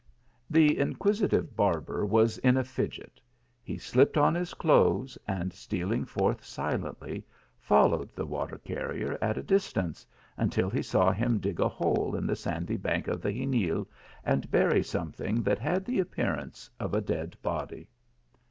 The inquisitive barber was in a fidget ; he slipped on his clothes, and, stealing forth silently, followed the water carrier at a distance, until he saw him dig a hole in the sandy bank of the Xenil, and bury something that had the appearance of a dead body.